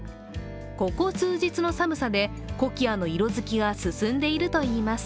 ここ数日の寒さで、コキアの色づきが進んでいるといいます。